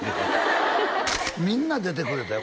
みんな出てくれたよ